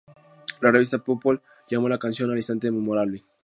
Las revista People llamo a la canción "al instante memorable.